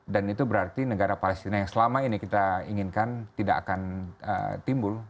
dan itu berarti negara palestina yang selama ini kita inginkan tidak akan timbul